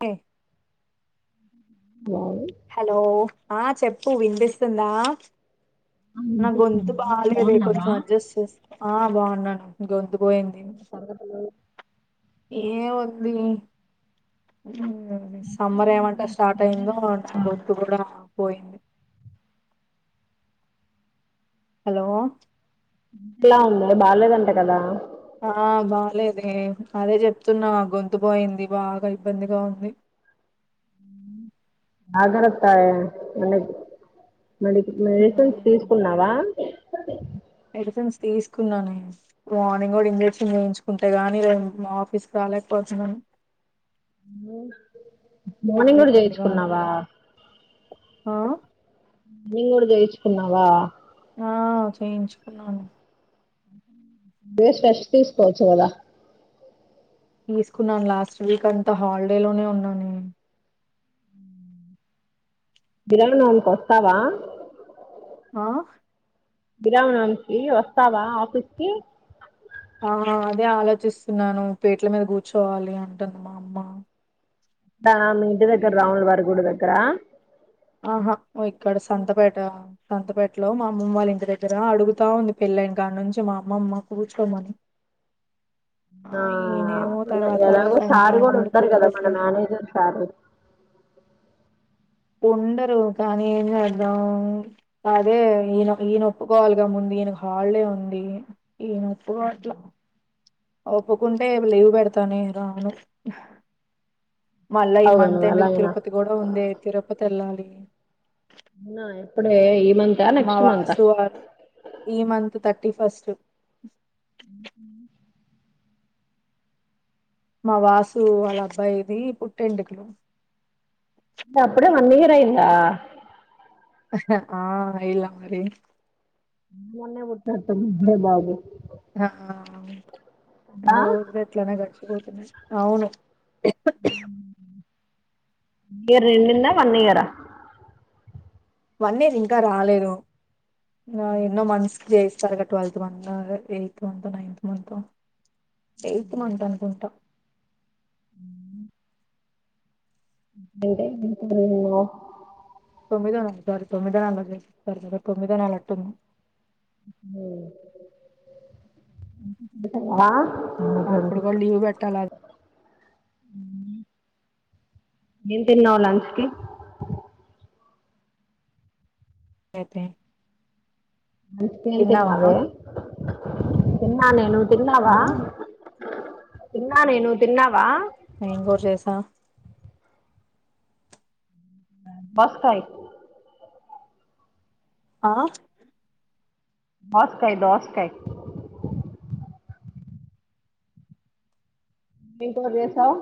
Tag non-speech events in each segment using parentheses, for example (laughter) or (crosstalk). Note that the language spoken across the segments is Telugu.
కే హలో ఆ చెప్పు వినిపిస్తుందా నా గొంతు బాలేదే కొంచెం అడ్జస్ట్ చేసు ఆ బాగున్నాను గొంతు మ్మ్ సంగతులు ఏమి ఏ వంది సమ్మర్ ఏమంటే స్టార్ట్ అయిందో అంటే గొంతు కూడా పోయింది హలో లా ఉందే బాగాలేదంట కదా ఆ బాలేదే అదే చెప్తున్నా గొంతు పోయింది బాగా ఇబ్బందిగా ఉంది అడర్ ఇస్తావొ మనకి మెడి మెడిసిన్స్ ఉమ్, తీసుకున్నావా మెడిసిన్స్ తీసుకున్నానే మార్నింగ్ కూడా ఇంజెక్షన్ చేయించుకుంటే గానీ మా ఆఫీస్ రాలేకపోతున్నాను చాలా మార్నింగ్ కూడా ఇబ్బందిగా ఉంది చేయించుకున్నావా ఆ ఇవినింగ్ కూడా జయించుకున్నావా ఆ చేయించుకున్నాను బ్రష్ ఫ్రెష్ తీసుకోవచ్చు కదా తీసుకున్నాను లాస్ట్ వీక్ అంతా హాలిడే లోనే ఉన్నా నే గురువారం నుంచి వస్తావా ఆ గరువారం నుంచి వస్తావా ఆఫీస్ కి ఆ అదే ఆలోచిస్తున్నాను పేట్ల మీద కూర్చోవాలి అంటుంది మా అమ్మ దా మీ ఇంటి దగ్గర రాముల వారి గుడి దగ్గర కరా ఆహాఓ ఇక్కడ సంతపేట సంతపేటలో మా అమ్మమ్మ వాళ్ళ ఇంటి దగ్గర అడుగుతా ఉంది పెళైన కాడ నుంచి మా అమ్మమ్మ కూర్చోమని ఆ ఈయనేమో తర్వాత తర్వాత ఎలాగో అంటా సార్ కూడా ఉన్నాడు ఉంటారు కదా మన కుదరట్లేదు. మేనేజర్ సారు ఉండరు కానీ ఏం చేద్దాం అదే ఈయనొ ఈయనొప్పుకోవాలిగా ముందు ఈయనకు హాలిడే ఉంది ఈయవొప్పుకో అట్లా ఒప్పుకుంటే లీవ్ పెడతానే రాను మళ్ళా ఈ అవుగా నువ్వు మంత్ ఎండ్ కి ఎలాగైనా తిరుపతి కూడా ఉందే తిరుపతి తెల్లారి అన్నా ఎప్పుడే ఇ మా వాసువారు ఈ మంత్ త టి ఫస్ట్ మా వాసు వాళ్ళ అబ్బాయిది పుట్టెంకులు అప్పుడే వన్ ఇయర్ అయిదా ఆఇలా మరి మొన్ననే పుట్టినట్టు ఉందే బాబు ఆ వన్ రోజులు ఇట్లానే గడిచి పోతున్నాయి అవును ఇయర్ యడింగ్ ఆ వన్ ఇయరా వన్ ఇయర్ ఇంకా రాలేదు నొ ఏన్నో మంత్స్ చేయిస్తారు గ ట్వెల్త్ మంత్ అదే ఎయిత్ మంతో నైన్త్ మంతో ఎయిత్ మంత్ అనుకుంటా అంటే (unintelligible) తొమ్మిద పంతొమ్మిద (unintelligible) తొమ్మిదోనాలు అంటన్న ఆ అప్పుడు కూడా లీవ్ పెట్టాల ఏం తిన్నావు లంచ్ కి అయితే అయితే ఏం తిన్నావా? తిన్నావే తిన్నా నేను ఆ! తిన్నావా తిన్నా నేను తిన్నావా ఏం కూర చేసావ్ బస్కయ్ ఆ దోసకాయ్ దోసకాయ్ ఏం కూర చేసావ్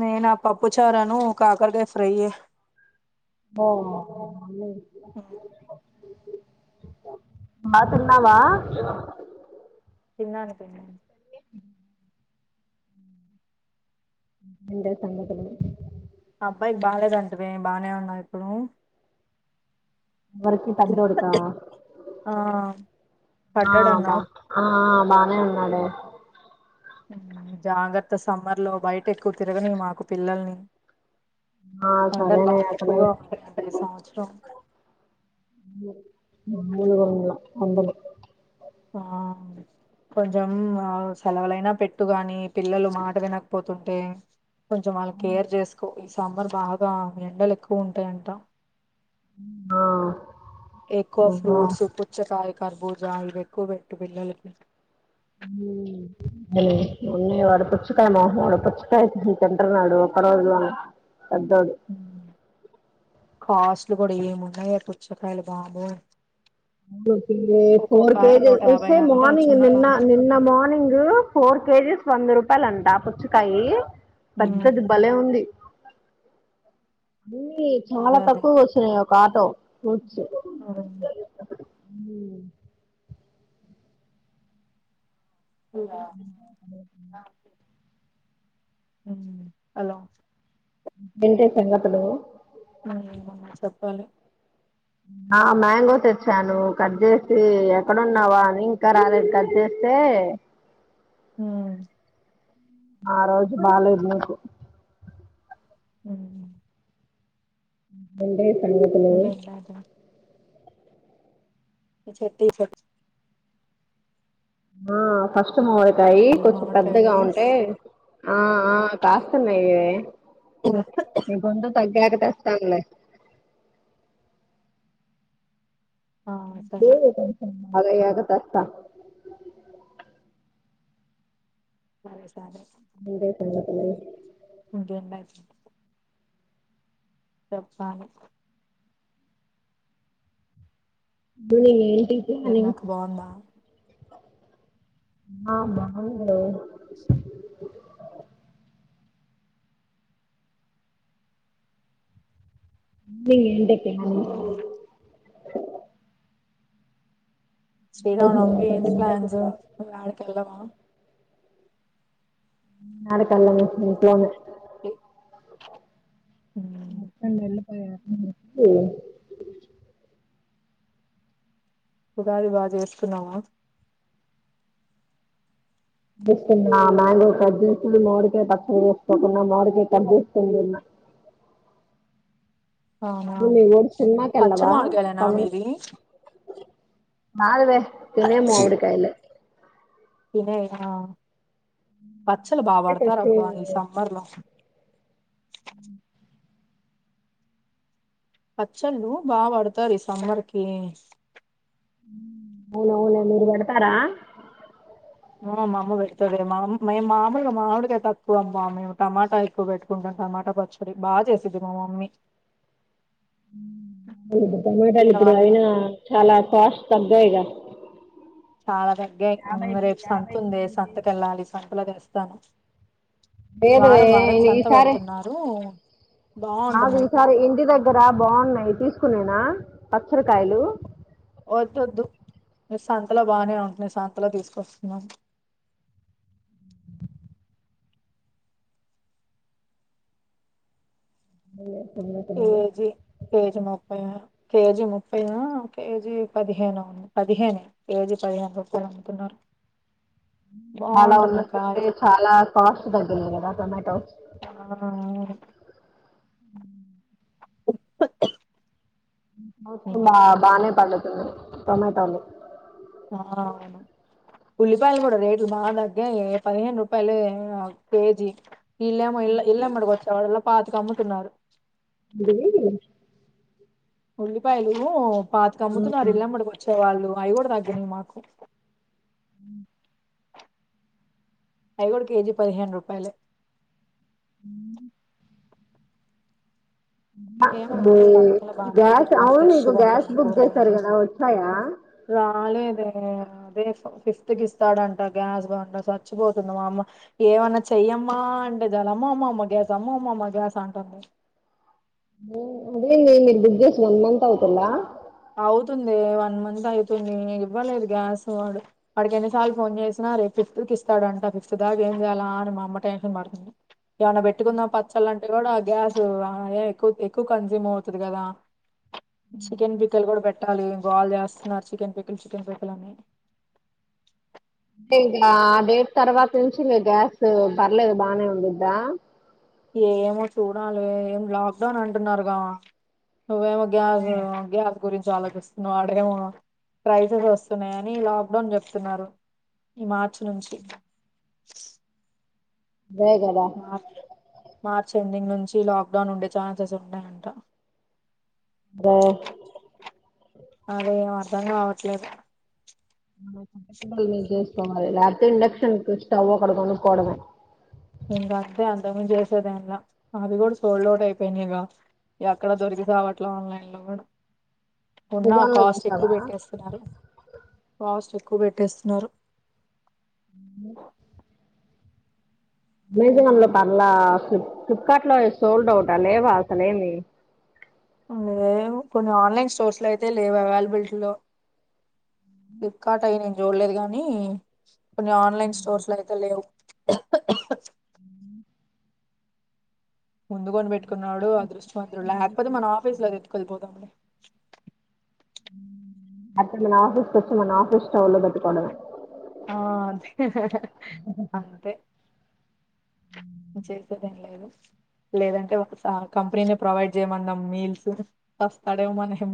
నేను ఆ పప్పు చరాను కాకరకాయ ఫ్రై యే ఓ బా తిన్నావా తిన్నాను లే ఎంటే సంగతులు అబ్బాయికి బాలేదంటివే బానే ఉందా ఇప్పుడు ఎవరికి పెద్దోడికా ఆ ఆ బా పడ్డాడన్నావు ఆ బానే ఉన్నాడే జాగ్రత్త సమ్మర్ లో బయట ఎక్కువ తిరగనీ మాకు పిల్లల్ని ఆ ఎండలు సరేనే బాగా అసలు ఎక్కువగా ఉంటాయట ఈ సంవత్సరం మూడు వందల వందలు ఆ కొంచెం సెలవులైనా పెట్టు కానీ పిల్లలు మాట వినకపోతుంటే కొంచెం వాళ్ళు కేర్ చేసుకో ఈ సమ్మర్ బాగా ఎండలు ఎక్కువ ఉంటాయంట ఆ ఎక్కువ ఫ్రూట్స్ పుచ్చకాయ్ కర్బూజా ఇవి ఎక్కువ పెట్టు పిల్లలకి అ ఉన్నయ్ వాడు పుచ్చుకాయ మొహం వోడు పుచ్చకాయ తింటున్నాడు ఒక్క రోజులోనే పెద్దోడు కాస్ట్లు కూడా ఏమున్నాయో పుచ్చకాయలు బాబోయ్ దు ఇ ఫోర్ ఒక్కొక్కాయ కేజెస్ నూట యాభై వస్తే అంటే మార్నింగ్ నిన్న చిన్నకాయ నిన్న మార్నింగు ఫోర్ కేజెస్ వంద రూపాయలు అంట పుచ్చ కయి ఉమ్ పెద్దది భలే ఉంది అన్నీ అదే చాలా తక్కువగా వచ్చినయి ఒక ఆటో ఫ్రూట్ అ హలో హ్మ్ అలా ఏంటే సంగతులు హలో చెప్పాలి ఆ మ్యాంగో తెచ్చాను్ కట్ చేసి ఎక్కడన్నావా అని ఇంకా రాలేట్ కట్ చేస్తే హ్మ్ ఆ రోజు బాాలేదు మీకు హ్మ్ అడి ఇంకేంటి సంగతులు అ చెప్తూ (unintelligible) ఆ ఫస్ట్ మావిడ కాయి ఈ కొంచెం పెద్దగా మామిడికాయలు ఉంటే ఆ ఆ కాస్తున్నయే నీ గొంతు తగ్గాక చేస్తానులే ఆ లేే సరే కొంచెం బాగు అయాక తెస్తా (inaudible) ఇడే (inaudible) ఇంకేం (inaudible) చెప్పాలి గుడిని కిరణక్క బావుందా ఆ బావుందే (unintelligible) ఉమ్ (unintelligible) ఈరోజు శ్రీరామనవమికి ఏంటి ఎక్కడికైనా ప్లాన్స్ వెళ్తున్నావా? పోని ఆడికి వెళ్దామా యాడికెళ్ళము ఇంట్లోనే ఎ మొత్తంగా వెళ్లిపోయారని చెప్పి ఉగాది బా చేసుకున్నావా చేస్తున్నా మ్యాంగో కట్ చేస్తు మామిడి కాయ పచ్చడి చేసుకుంటున్నా మామిడికాయ కట్ చేసుకొని తిన్న అవునా పచ్చడి సినిమాకెళ్ళవా? మామిడికాయలేనా మీవి నాలుగు తే తినే మావిడికాయలే తినేయా పచ్చలు బా పడతారు ఫస్ట్ అబ్బా ఈ సమ్మర్ లో పచ్చళ్ళు బా పడతారు ఈ సమ్మర్ కి హ్మ్ అవునవునె మీరు పడతారా మో మా అమ్మ పెడుతదే మాం మేము మాములుగా మామిడికాయ తక్కువ అబ్బ మేము టమాటా ఎక్కువ పెట్టుకుంటాం టమాటా పచ్చడి బా చేసిద్ది మా మమ్మీ ప్పుడు టమాటాలు దీని ఇప్పుడు వల్ల అయినా చాలా కాస్ట్ తగ్గాయిగా చాలా తగ్గాయి హ్మ్ రేపు సంతుందే సంతకెళ్ళాలి సంతలో తెస్ తాను లేదువే ఈసారి పెడుతున్నారు కాదు బాగుంటున్నాయి ఈసారి ఇంటి దగ్గర బావున్నాయి తీసుకునే నా పచ్చడికాయలు వొద్దొద్దు నేను సంతలో బానే ఉంటున్నాయి సంతలో తీసుకొస్తున్నాను (unintelligible) కేజీ (inaudible) కేజీ ముప్పై కేజీ ముప్పై ఓ కేజీ పదిహేనో పదిహేనే కేజీ పదిహేను రూపాయలు అమ్ముతున్నారు. చాలా బాగుంటున్నాయి ఉన్నట్టుండి కాయలు చాలా కాస్ట్ తగ్గింది కదా టొమాటోస్ ఆ అవును హూ (inaudible) ఇంకేంటంటే బానే పండుతున్నాయి టొమేటోలు ఆ అవును ఉల్లిపాయలు కూడా రేట్ లు బా తగ్గాయే పదిహేను రూపాయలు ఏమో కేజీ ఈళ్ళేమో ఇల్ ఇల్ళమ్మటకొచ్చే వాళ్ళు పాతిక అమ్ముతున్నారు (inaudible) ఉల్లిపాయలు పాతికమ్ముతున్నారు ఇల్లమ్మడికొచ్చేవాళ్ళు ఆయి గూడ తగ్గినయి మాకు అవి గూడ కేజీ పదిహేను రూపాయాలే ఏమో బే నాకు సంతలో బాగా గ్యాస్ నచ్చాయమ్మ అవును మీకు ఫ్రెష్గా గ్యాస్ ఉంటున్నాయి బుక్ చేశారు కూరగాయలు కదా వచ్చాయా రాలేదే అదే ఫిఫ్త్ కి ఇస్తాడంట గ్యాస్ బండ చచ్చిపోతుంది మా అమ్మ ఏమన్నా చెయ్యమ్మా అంటే చాల అమ్మా అమ్మా అమ్మ గ్యాస్ అమ్మ అమ్మ అమ్మ గ్యాస్ అంటుంది (inaudible) నే మీరు బుక్ చేేసి వన్ మంత్ అవుతుల్లా ఐతుంది ఇవ్వలేదు గ్యాస్ వాడు వాడికి ఎన్నిసార్లు ఫోన్ చేసినా రేపు ఫిఫ్త్ కిస్తాడంట ఫిఫ్త్ దాకా ఏం చేయాలా అని మా అమ్మ టెన్షన్ పడుతుంది ఏమన్నా పెట్టుకుందాం పచ్చళ్ళు అంటే కూడా గ్యాస్ అ ఎక్కు ఎక్కువ కన్సూమ్ అవుతది కదా చికెన్ పి కెలు కూడా పెట్టాలి గోల చేస్తున్నారు చికెన్ పికుల్ చికెన్ పికుల్ అని తే ఇగ ఆ డేట్ తర్వాత నుంచి మీ గ్యాస్ పర్లేదు బానే ఉండిద్దా ఏమో చూడాలే ఏం లాక్డౌన్ అంటున్నారుగా నువ్వేమో గ్యాసు గ్యాసు గురించి ఆలోచిస్తున్నా వాడేమో ప్రైజెస్ వస్తున్నాయని లాక్డౌన్ చెప్తున్నారు ఈ మార్చి నుంచి దే గదా మార్ మార్చ్ ఎండింగ్ నుంచి లాక్డౌన్ ఉండే ఛాన్సెస్ ఉన్నాయంట. రే అదేం అర్ధం గావట్లేదు (unintelligible) చేసుకోవాలి లేకపోతే ఇండక్షన్ స్టవ్ ఒకటి కొనుక్కోవడమే ఇంగ అంతే అంతమించి చేసేదాంలా అదిగూడా సోల్డ్ అవుట్ అయిపోయినాయిగా ఎక్కడా దొరికి సావట్ల ఆన్లైన్ లో గూడా ఉన్నా అమెజాన్ లో కాస్ట్ ఎక్కువ చూసావా బెట్టేస్తున్నారు కాస్ట్ ఎక్ క్కు బెట్టేస్తున్నారు అమెజాన్ లో పర్లా ప్లిప్ ఫ్లిప్కార్ట్ లో సోల్డ్ అవుటా లేవా అసలేమి లేవు కొన్ని ఆన్లైన్ స్టోర్స్లో అయితే లేవు అవైలబులిటీలో ఫ్లిప్కార్ట్ అయి నేను జూళ్ళేదు గానీ కొన్ని ఆన్లైన్ స్టోర్స్లు అయితే లేవు ముందు కొనిబెట్టుకున్నోడు అదృష్టవంతుడు లేకపోతే మన ఆఫీస్లో ఎత్తుకొది పోదాంలే అప్పుడు మన ఆఫీస్కొచ్చి మన ఆఫీస్ స్టవ్ లో పెట్టుకోవడమే ఆ అదే అంతే చేసేదేం లేదు లేదంటే ఒక స కంపెనీని ప్రొవైడ్ చేయమందాం మీల్సు సస్తాడేమో మన ఎం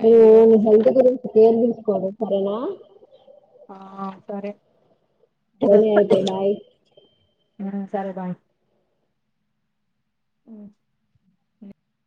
డే నీ హెల్త్ గురించి కేర్ దీస్ దనా ఆ సరే దని అయితే బాయ సరే బాయ్ అఓ